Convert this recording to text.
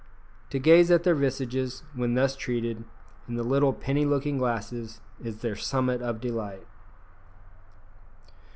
To gaze at their visages, when thus treated, in the little penny looking glasses is their summit of delight!